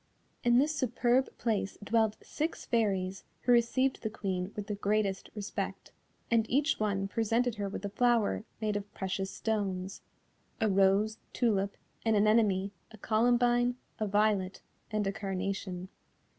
In this superb place dwelt six Fairies who received the Queen with the greatest respect, and each one presented her with a flower made of precious stones a rose, tulip, an anemone, a columbine, a violet, and a carnation.